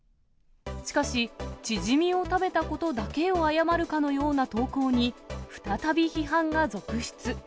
しかし、チヂミを食べたことだけを謝るかのような投稿に、再び批判が続出。